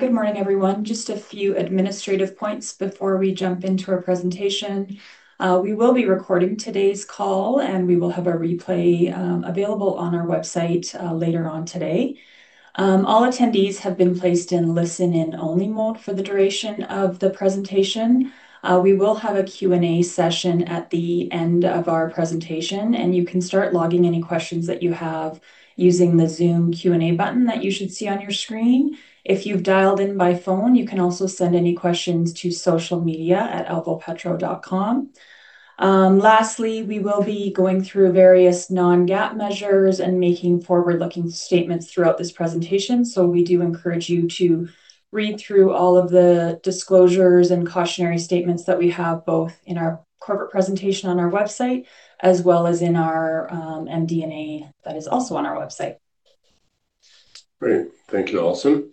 Good morning, everyone. Just a few administrative points before we jump into our presentation. We will be recording today's call, and we will have a replay available on our website later on today. All attendees have been placed in listen-in-only mode for the duration of the presentation. We will have a Q&A session at the end of our presentation, and you can start logging any questions that you have using the Zoom Q&A button that you should see on your screen. If you've dialed in by phone, you can also send any questions to socialmedia@alvopetro.com. Lastly, we will be going through various non-GAAP measures and making forward-looking statements throughout this presentation, so we do encourage you to read through all of the disclosures and cautionary statements that we have both in our corporate presentation on our website, as well as in our MD&A that is also on our website. Great. Thank you, Alison.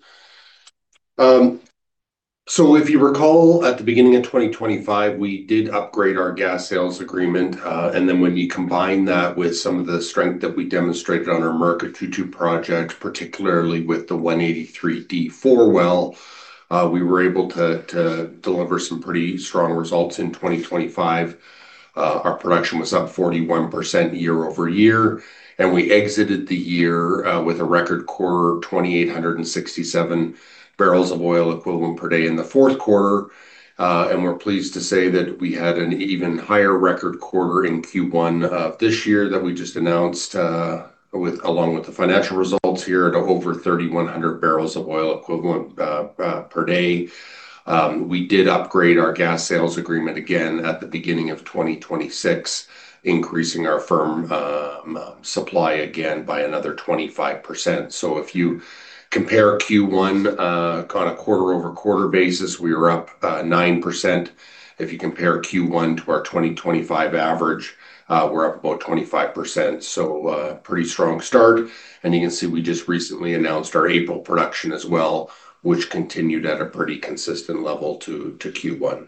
If you recall, at the beginning of 2025, we did upgrade our gas sales agreement. When you combine that with some of the strength that we demonstrated on our Murucututu project, particularly with the 183-D4 well, we were able to deliver some pretty strong results in 2025. Our production was up 41% year-over-year, we exited the year with a record quarter, 2,867 barrels of oil equivalent per day in the fourth quarter. We're pleased to say that we had an even higher record quarter in Q1 of this year that we just announced, along with the financial results here to over 3,100 barrels of oil equivalent per day. We did upgrade our gas sales agreement again at the beginning of 2026, increasing our firm supply again by another 25%. If you compare Q1 on a quarter-over-quarter basis, we were up 9%. If you compare Q1 to our 2025 average, we're up about 25%. Pretty strong start. You can see we just recently announced our April production as well, which continued at a pretty consistent level to Q1.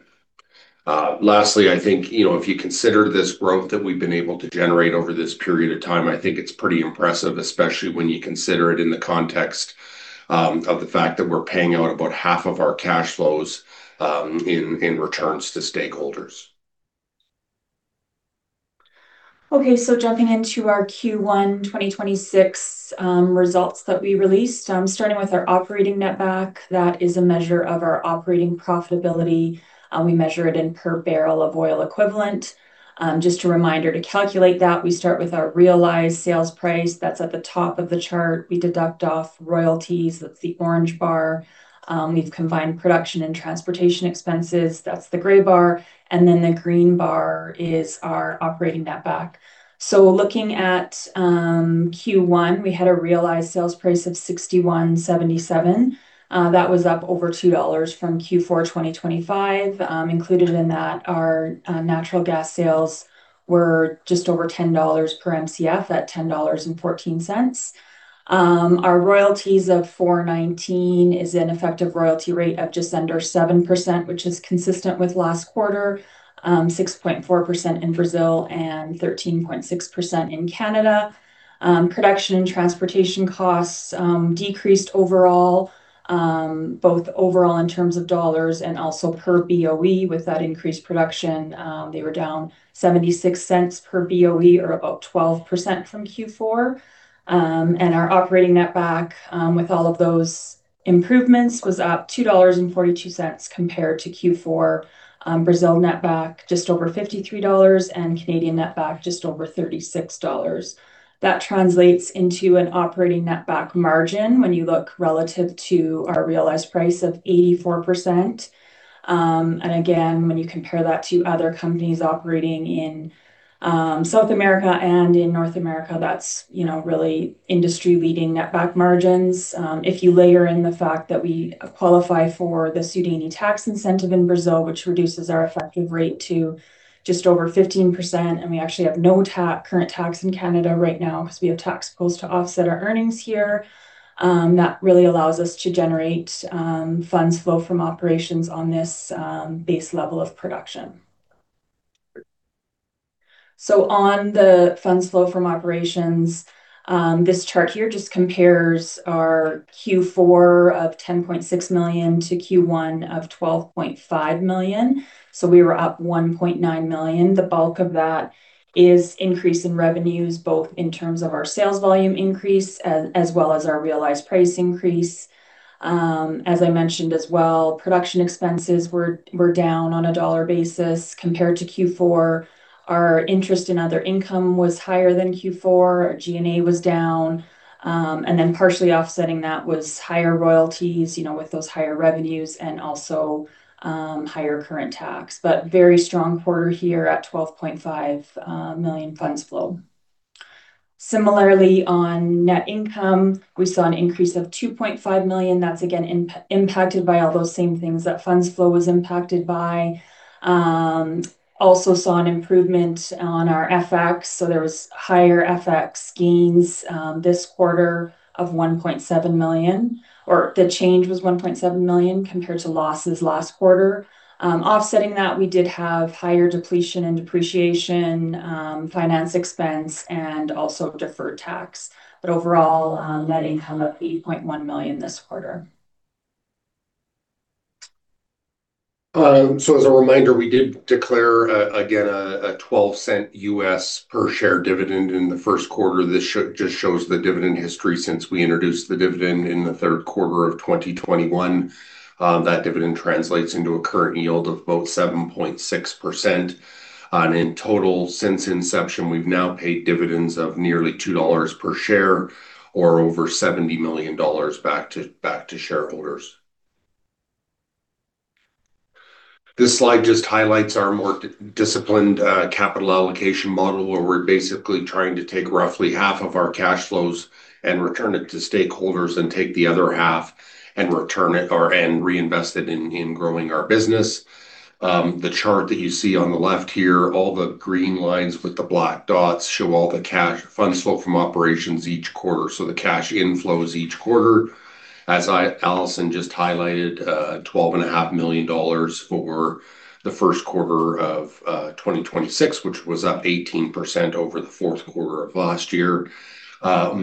Lastly, I think, you know, if you consider this growth that we've been able to generate over this period of time, I think it's pretty impressive, especially when you consider it in the context of the fact that we're paying out about half of our cash flows in returns to stakeholders. Okay. Jumping into our Q1 2026 results that we released. Starting with our operating netback, that is a measure of our operating profitability. We measure it in per barrel of oil equivalent. Just a reminder, to calculate that, we start with our realized sales price. That's at the top of the chart. We deduct off royalties. That's the orange bar. We've combined production and transportation expenses. That's the gray bar. The green bar is our operating netback. Looking at Q1, we had a realized sales price of $61.77. That was up over $2 from Q4 2025. Included in that are natural gas sales were just over $10 per Mcf at $10.14. Our royalties of $419 is an effective royalty rate of just under 7%, which is consistent with last quarter, 6.4% in Brazil and 13.6% in Canada. Production and transportation costs decreased overall, both overall in terms of dollars and also per BOE with that increased production. They were down $0.76 per BOE or about 12% from Q4. And our operating netback, with all of those improvements, was up $2.42 compared to Q4. Brazil netback, just over $53, and Canadian netback, just over $36. That translates into an operating netback margin when you look relative to our realized price of 84%. Again, when you compare that to other companies operating in South America and in North America, that's, you know, really industry-leading netback margins. If you layer in the fact that we qualify for the CSLL tax incentive in Brazil, which reduces our effective rate to just over 15%, and we actually have no current tax in Canada right now because we have tax goals to offset our earnings here, that really allows us to generate funds flow from operations on this base level of production. On the funds flow from operations, this chart here just compares our Q4 of $10.6 million to Q1 of $12.5 million. We were up $1.9 million. The bulk of that is increase in revenues, both in terms of our sales volume increase, as well as our realized price increase. As I mentioned as well, production expenses were down on a dollar basis compared to Q4. Our interest and other income was higher than Q4. G&A was down. Partially offsetting that was higher royalties, you know, with those higher revenues and also, higher current tax. Very strong quarter here at $12.5 million funds flow. Similarly, on net income, we saw an increase of $2.5 million. That's again impacted by all those same things that funds flow was impacted by. Also saw an improvement on our FX. There was higher FX gains this quarter of $1.7 million, or the change was $1.7 million compared to losses last quarter. Offsetting that, we did have higher depletion and depreciation, finance expense and also deferred tax. Overall, net income of $8.1 million this quarter. As a reminder, we did declare again, a $0.12 U.S. per share dividend in the first quarter. This just shows the dividend history since we introduced the dividend in the third quarter of 2021. That dividend translates into a current yield of about 7.6%. In total, since inception, we've now paid dividends of nearly $2 per share or over $70 million back to shareholders. This slide just highlights our more disciplined capital allocation model, where we're basically trying to take roughly half of our cash flows and return it to stakeholders and take the other half and return it or reinvest it in growing our business. The chart that you see on the left here, all the green lines with the black dots show all the cash funds flow from operations each quarter, so the cash inflows each quarter. As Alison just highlighted, twelve and a half million dollars for the first quarter of 2026, which was up 18% over the fourth quarter of last year. All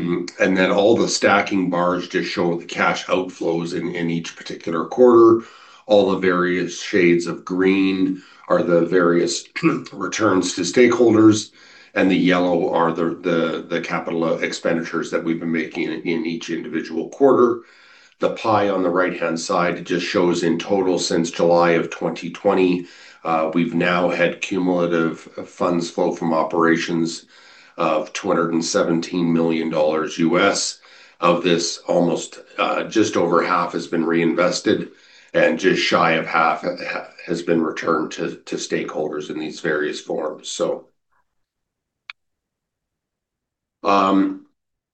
the stacking bars just show the cash outflows in each particular quarter. All the various shades of green are the various returns to stakeholders, and the yellow are the capital expenditures that we've been making in each individual quarter. The pie on the right-hand side just shows in total since July of 2020, we've now had cumulative funds flow from operations of $217 million U.S. Of this almost, just over half has been reinvested and just shy of half has been returned to stakeholders in these various forms.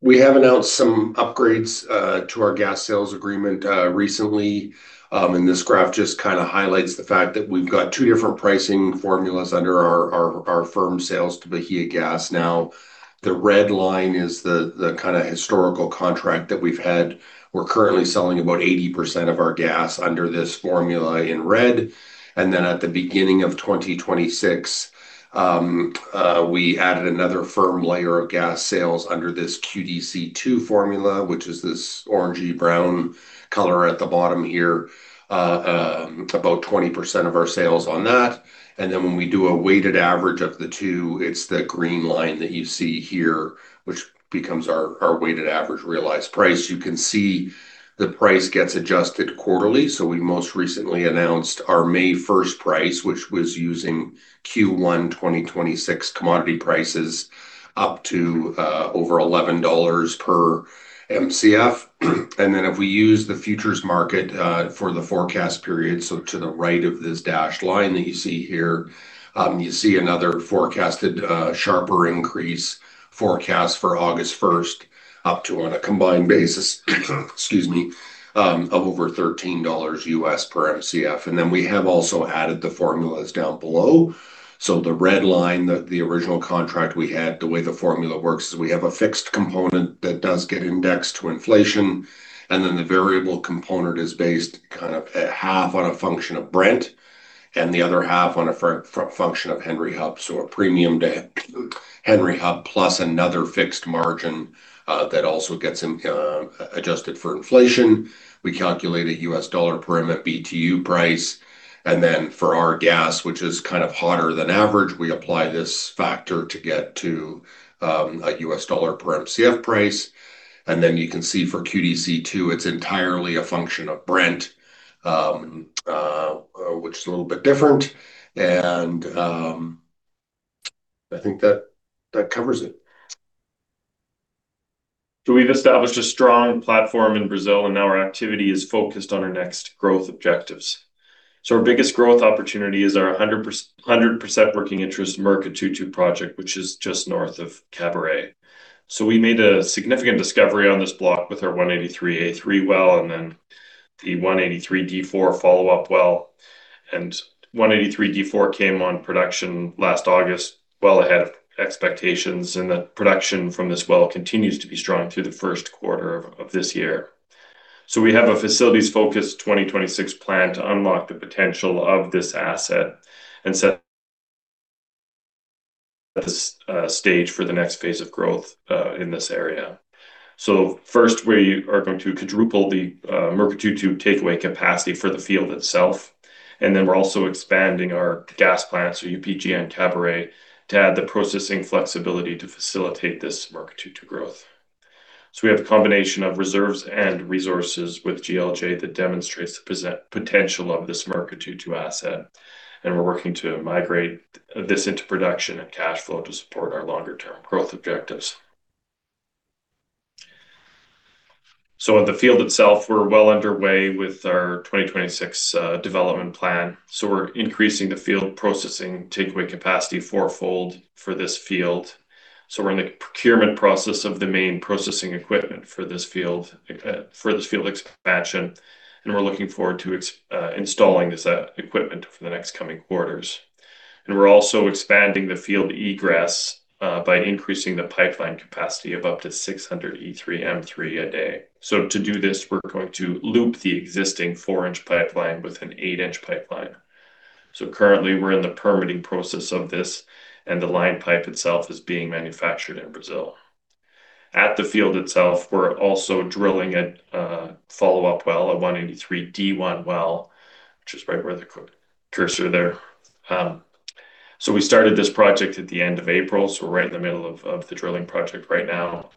We have announced some upgrades to our gas sales agreement recently. This graph just kind of highlights the fact that we've got two different pricing formulas under our firm sales to Bahiagás now. The red line is the kind of historical contract that we've had. We're currently selling about 80% of our gas under this formula in red. At the beginning of 2026, we added another firm layer of gas sales under this QDC2 formula, which is this orangey brown color at the bottom here. About 20% of our sales on that. When we do a weighted average of the two, it's the green line that you see here, which becomes our weighted average realized price. You can see the price gets adjusted quarterly. We most recently announced our May 1st price, which was using Q1 2026 commodity prices up to over $11 per MCF. If we use the futures market for the forecast period, so to the right of this dashed line that you see here, you see another forecasted sharper increase forecast for August 1st, up to on a combined basis, excuse me, of over $13 U.S. per MCF. We have also added the formulas down below. The red line, the original contract we had, the way the formula works is we have a fixed component that does get indexed to inflation, and then the variable component is based kind of at half on a function of Brent and the other half on a function of Henry Hub. A premium to Henry Hub plus another fixed margin that also gets adjusted for inflation. We calculate a U.S. dollar per MMBtu price. For our gas, which is kind of hotter than average, we apply this factor to get to a U.S. dollar per MCF price. You can see for QDC2, it's entirely a function of Brent, which is a little bit different. I think that covers it. We've established a strong platform in Brazil, and now our activity is focused on our next growth objectives. Our biggest growth opportunity is our 100% working interest Murucututu project, which is just north of Caburé. We made a significant discovery on this block with our 183-A3 well, and then the 183-D4 follow-up well. 183-D4 came on production last August, well ahead of expectations, and the production from this well continues to be strong through the first quarter of this year. We have a facilities focus 2026 plan to unlock the potential of this asset and set this stage for the next phase of growth in this area. First, we are going to quadruple the Murucututu takeaway capacity for the field itself, and then we're also expanding our gas plant, UPGN Caburé, to add the processing flexibility to facilitate this Murucututu growth. We have a combination of reserves and resources with GLJ that demonstrates the potential of this Murucututu asset, and we're working to migrate this into production and cash flow to support our longer-term growth objectives. In the field itself, we're well underway with our 2026 development plan. We're increasing the field processing takeaway capacity four-fold for this field. We're in the procurement process of the main processing equipment for this field, for this field expansion, and we're looking forward to installing this equipment for the next coming quarters. We're also expanding the field egress by increasing the pipeline capacity of up to 600 E3M3 a day. To do this, we're going to loop the existing 4-inch pipeline with an 8-inch pipeline. Currently we're in the permitting process of this, and the line pipe itself is being manufactured in Brazil. At the field itself, we're also drilling a follow-up well, a 183-D1 well, which is right where the cursor there. We started this project at the end of April, so we're right in the middle of the drilling project right now.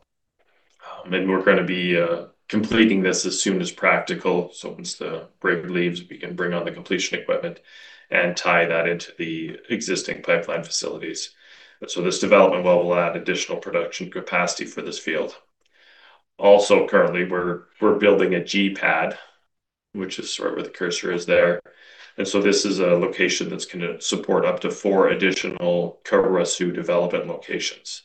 We're gonna be completing this as soon as practical. Once the rig leaves, we can bring on the completion equipment and tie that into the existing pipeline facilities. This development well will add additional production capacity for this field. Also, currently, we're building a G-Pad, which is sort of where the cursor is there. This is a location that's gonna support up to four additional Caruaçu development locations.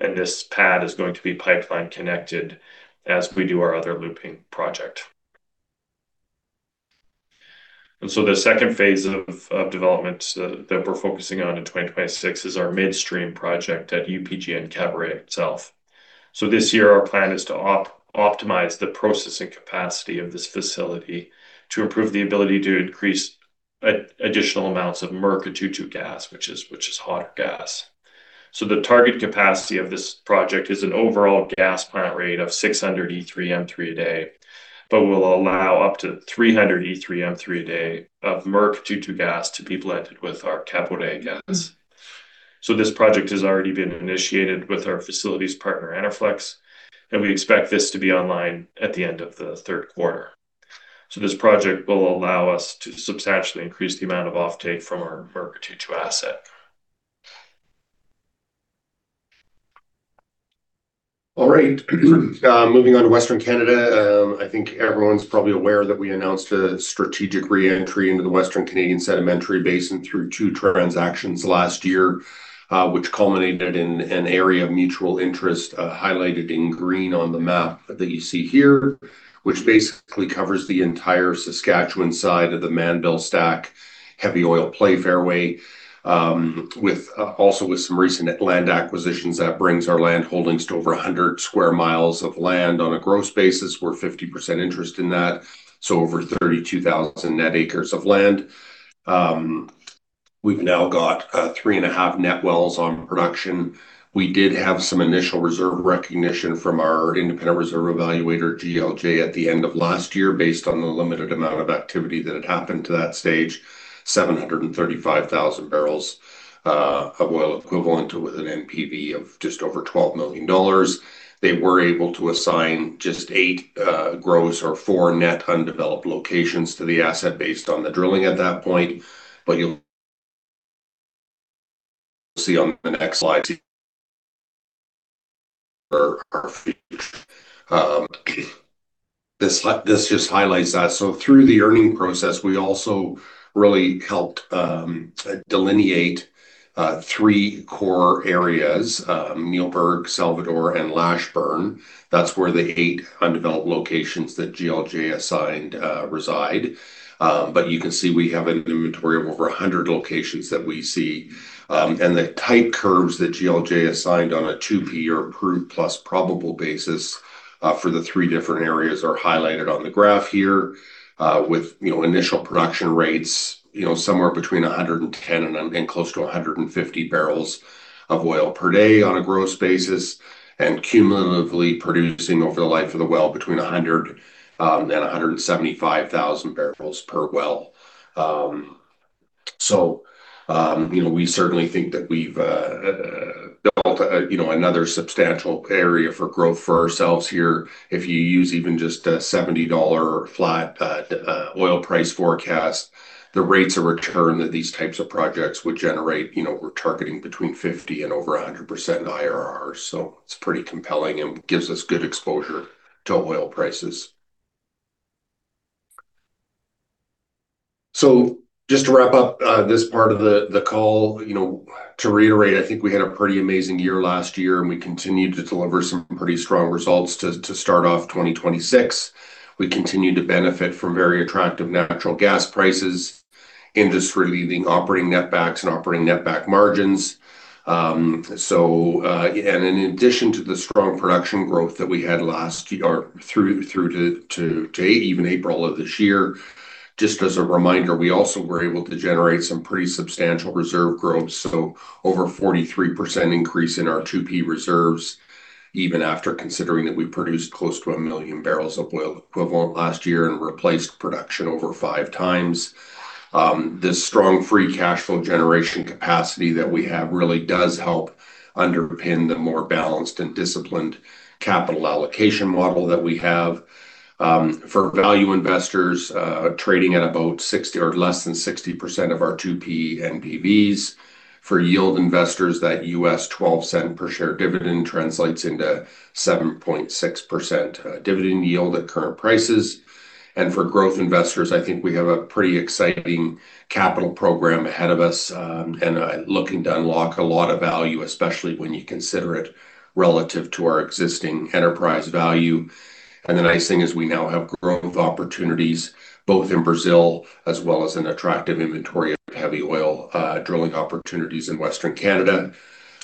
This pad is going to be pipeline connected as we do our other looping project. The second phase of development that we're focusing on in 2026 is our midstream project at UPGN Caburé itself. This year, our plan is to optimize the processing capacity of this facility to improve the ability to increase additional amounts of Murucututu gas, which is hot gas. The target capacity of this project is an overall gas plant rate of 600 E3M3 a day, but will allow up to 300 E3M3 a day of Murucututu gas to be blended with our Caburé gas. This project has already been initiated with our facilities partner, Enerflex, and we expect this to be online at the end of the third quarter. This project will allow us to substantially increase the amount of offtake from our Murucututu asset. All right. Moving on to Western Canada. I think everyone's probably aware that we announced a strategic re-entry into the Western Canadian Sedimentary Basin through 2 transactions last year, which culminated in an area of mutual interest, highlighted in green on the map that you see here, which basically covers the entire Saskatchewan side of the Mannville Stack, heavy oil play fairway, with also with some recent land acquisitions that brings our land holdings to over 100 square miles of land on a gross basis. We're 50% interest in that, so over 32,000 net acres of land. We've now got 3.5 net wells on production. We did have some initial reserve recognition from our independent reserve evaluator, GLJ, at the end of last year, based on the limited amount of activity that had happened to that stage, 735,000 barrels of oil equivalent with an NPV of just over $12 million. They were able to assign just eight gross or four net undeveloped locations to the asset based on the drilling at that point. You'll see on the next slide our, this just highlights that. Through the earning process, we also really helped delineate three core areas, Mühlberg, Salvador, and Lashburn. That's where the eight undeveloped locations that GLJ assigned reside. You can see we have an inventory of over 100 locations that we see. The type curves that GLJ assigned on a 2P or approved plus probable basis for the three different areas are highlighted on the graph here, with, you know, initial production rates, you know, somewhere between 110 and close to 150 barrels of oil per day on a gross basis, and cumulatively producing over the life of the well between 100,000 and 175,000 barrels per well. You know, we certainly think that we've built, you know, another substantial area for growth for ourselves here. If you use even just a $70 flat oil price forecast, the rates of return that these types of projects would generate, you know, we're targeting between 50 and over 100% in IRR. It's pretty compelling and gives us good exposure to oil prices. Just to wrap up, this part of the call, you know, to reiterate, I think we had a pretty amazing year last year, and we continued to deliver some pretty strong results to start off 2026. We continued to benefit from very attractive natural gas prices, industry-leading operating netbacks and operating netback margins. And in addition to the strong production growth that we had last year through to even April of this year, just as a reminder, we also were able to generate some pretty substantial reserve growth, so over 43% increase in our 2P reserves, even after considering that we produced close to 1 million barrels of oil equivalent last year and replaced production over 5x. This strong free cash flow generation capacity that we have really does help underpin the more balanced and disciplined capital allocation model that we have. For value investors, trading at about 60% or less than 60% of our 2P NPVs. For yield investors, that $0.12 per share dividend translates into 7.6% dividend yield at current prices. For growth investors, I think we have a pretty exciting capital program ahead of us, and looking to unlock a lot of value, especially when you consider it relative to our existing enterprise value. The nice thing is we now have growth opportunities both in Brazil as well as an attractive inventory of heavy oil drilling opportunities in Western Canada.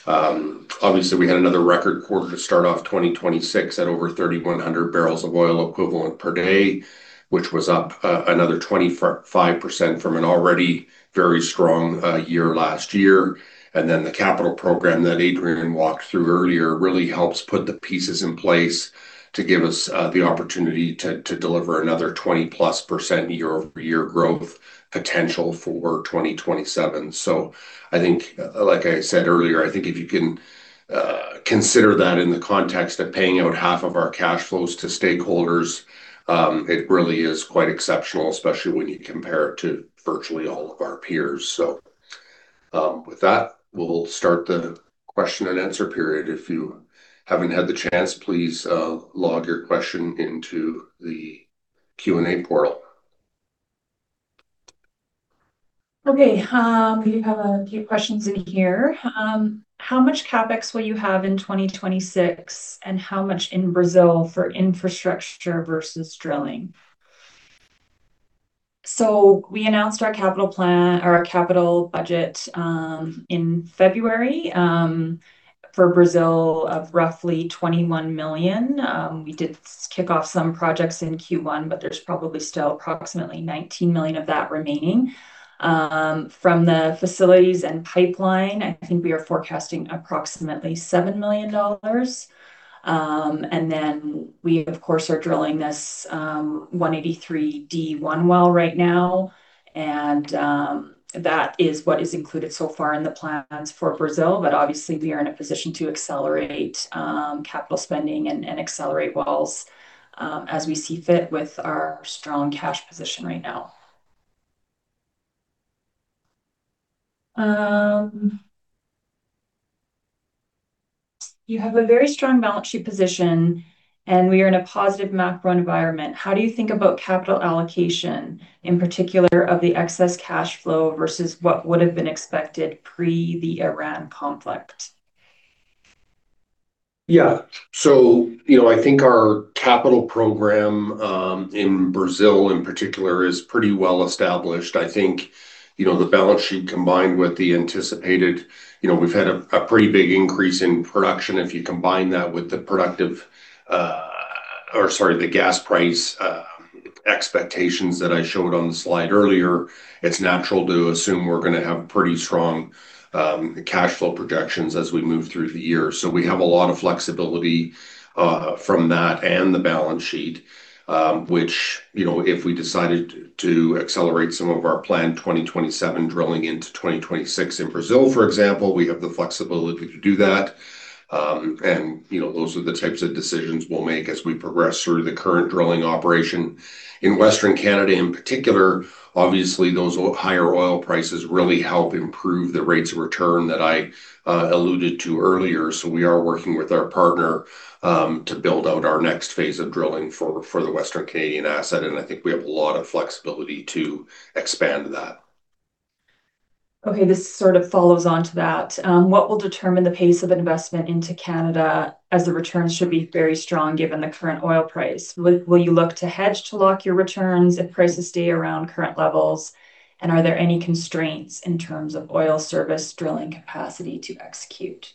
Obviously, we had another record quarter to start off 2026 at over 3,100 barrels of oil equivalent per day, which was up another 25% from an already very strong year last year. Then the capital program that Adrian walked through earlier really helps put the pieces in place to give us the opportunity to deliver another 20+% year-over-year growth potential for 2027. I think, like I said earlier, I think if you can consider that in the context of paying out half of our cash flows to stakeholders, it really is quite exceptional, especially when you compare it to virtually all of our peers. With that, we'll start the question-and-answer period. If you haven't had the chance, please log your question into the Q&A portal. We have a few questions in here. How much CapEx will you have in 2026, and how much in Brazil for infrastructure versus drilling? We announced our capital plan or our capital budget in February for Brazil of roughly $21 million. We did kick off some projects in Q1, but there's probably still approximately $19 million of that remaining. From the facilities and pipeline, I think we are forecasting approximately $7 million. We, of course, are drilling this 183-D1 well right now, and that is what is included so far in the plans for Brazil. Obviously, we are in a position to accelerate capital spending and accelerate wells as we see fit with our strong cash position right now. You have a very strong balance sheet position, and we are in a positive macro environment. How do you think about capital allocation, in particular of the excess cash flow versus what would have been expected pre the Iran conflict? Yeah. You know, I think our capital program in Brazil, in particular, is pretty well-established. I think, you know, the balance sheet combined with the anticipated You know, we've had a pretty big increase in production. If you combine that with the productive, or sorry, the gas price expectations that I showed on the slide earlier, it's natural to assume we're gonna have pretty strong cash flow projections as we move through the year. We have a lot of flexibility from that and the balance sheet, which, you know, if we decided to accelerate some of our planned 2027 drilling into 2026 in Brazil, for example, we have the flexibility to do that. You know, those are the types of decisions we'll make as we progress through the current drilling operation. In Western Canada, in particular, obviously, those higher oil prices really help improve the rates of return that I alluded to earlier. We are working with our partner to build out our next phase of drilling for the Western Canadian asset, and I think we have a lot of flexibility to expand that. Okay, this sort of follows on to that. What will determine the pace of investment into Canada as the returns should be very strong given the current oil price? Will you look to hedge to lock your returns if prices stay around current levels? Are there any constraints in terms of oil service drilling capacity to execute?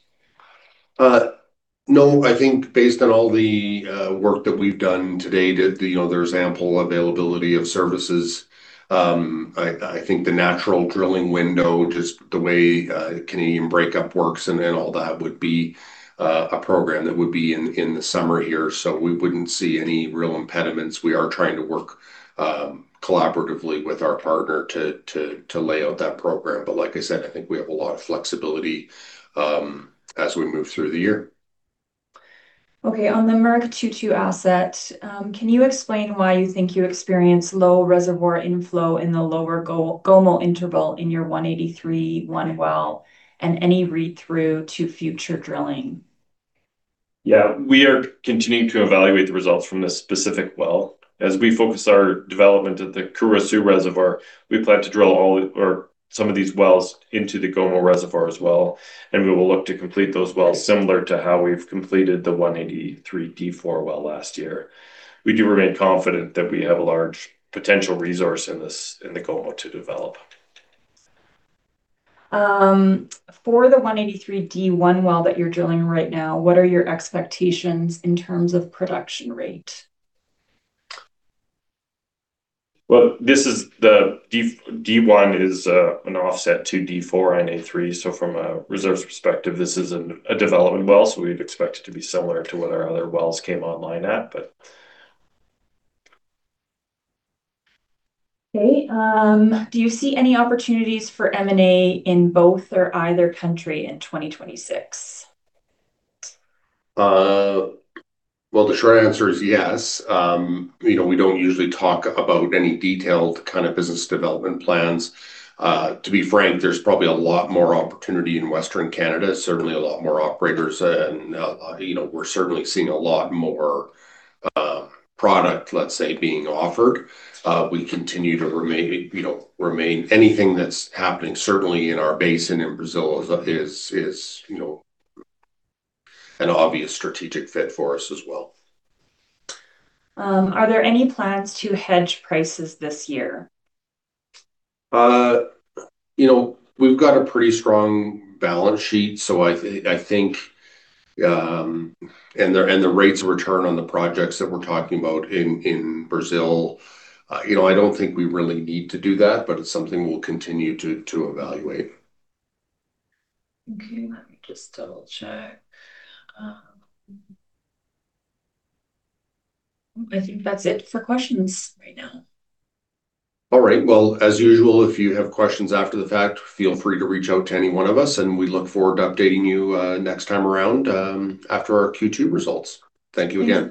No. I think based on all the work that we've done to date, you know, there's ample availability of services. I think the natural drilling window, just the way Canadian breakup works and all that, would be a program that would be in the summer here. We wouldn't see any real impediments. We are trying to work collaboratively with our partner to lay out that program. Like I said, I think we have a lot of flexibility as we move through the year. Okay. On the Murucututu asset, can you explain why you think you experience low reservoir inflow in the lower Gomo interval in your 183-1 well, and any read-through to future drilling? We are continuing to evaluate the results from this specific well. As we focus our development at the Caruaçu Reservoir, we plan to drill all or some of these wells into the Gomo Reservoir as well. We will look to complete those wells similar to how we've completed the 183-D4 well last year. We do remain confident that we have a large potential resource in the Gomo to develop. For the 183-D1 well that you're drilling right now, what are your expectations in terms of production rate? This is the 183-D1 is an offset to 183-D4 and 183-A3. From a reserves perspective, this is a development well. We'd expect it to be similar to what our other wells came online at. Okay. Do you see any opportunities for M&A in both or either country in 2026? Well, the short answer is yes. You know, we don't usually talk about any detailed kind of business development plans. To be frank, there's probably a lot more opportunity in Western Canada. Certainly a lot more operators and, you know, we're certainly seeing a lot more product, let's say, being offered. We continue to you know, remain Anything that's happening, certainly in our basin in Brazil is, you know, an obvious strategic fit for us as well. Are there any plans to hedge prices this year? You know, we've got a pretty strong balance sheet, so I think, and the rates of return on the projects that we're talking about in Brazil, you know, I don't think we really need to do that, but it's something we'll continue to evaluate. Okay. Let me just double-check. I think that's it for questions right now. All right. Well, as usual, if you have questions after the fact, feel free to reach out to any one of us. We look forward to updating you next time around after our Q2 results. Thank you again.